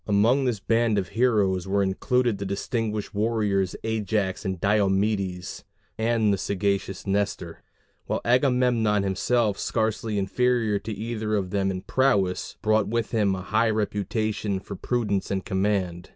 Among this band of heroes were included the distinguished warriors Ajax and Diomedes, and the sagacious Nestor; while Agamemnon himself, scarcely inferior to either of them in prowess, brought with him a high reputation for prudence in command.